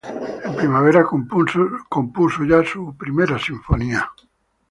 En primavera, compuso ya su "Primera sinfonía".